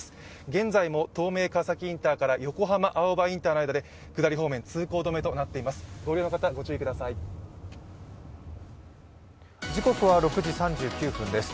現在も東名川崎インターから横浜青葉インターの間で下り方面、通行止めとなっています